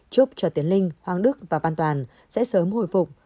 trúc cho tiến linh hoàng đức và văn toàn sẽ sớm hồi phục